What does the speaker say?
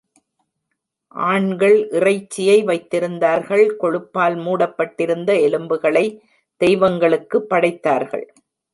ஆண்கள் இறைச்சியை வைத்திருந்தார்கள், கொழுப்பால் மூடப்பட்டிருந்த எலும்புகளை தெய்வங்களுக்கு படைத்தார்கள்.